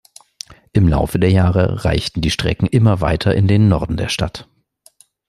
Im Laufe der Jahre reichten die Strecken immer weiter in den Norden der Stadt.